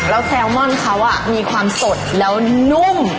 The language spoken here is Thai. แล้วแซลมอนเขามีความสดแล้วนุ่ม